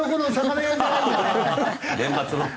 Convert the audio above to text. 年末の。